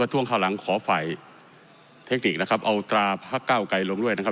ประท้วงประท้วงข้างหลังขอฝ่ายเทคนิคนะครับเอาตราหักเก้าไกลลงด้วยนะครับ